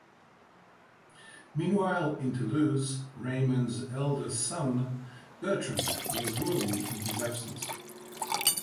Meanwhile in Toulouse, Raymond's elder son Bertrand was ruling in his absence.